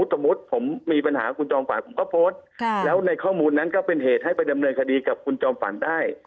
สมมุติผมมีปัญหาคุณจอมฝันผมก็โพสต์แล้วในข้อมูลนั้นก็เป็นเหตุให้ไปดำเนินคดีกับคุณจอมฝันได้